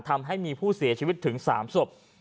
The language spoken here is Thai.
ทำให้มีผู้เสียชีวิตถึง๓ศพ